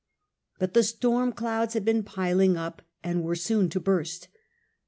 But the storm clouds had been piling up and were soon to burst.